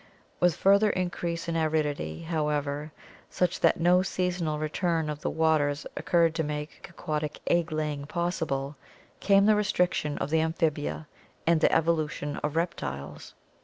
With further increase in aridity, however, such that no seasonal return of the waters occurred to make aquatic egg laying possible, came the restriction of the Amphibia and the evolution of reptiles.